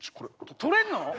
取れんの！？